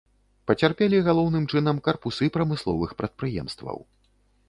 Пацярпелі, галоўным чынам, карпусы прамысловых прадпрыемстваў.